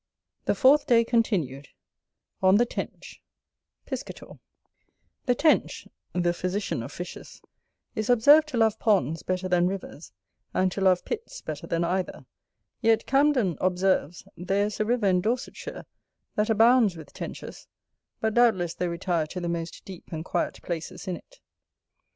A. The fourth day continued On the Tench Chapter XI Piscator The Tench, the physician of fishes, is observed to love ponds better than rivers, and to love pits better than either: yet Camden observes, there is a river in Dorsetshire that abounds with Tenches, but doubtless they retire to the most deep and quiet places in it.